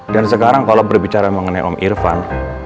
dan sekarang kalau berbicara mengenai om irfan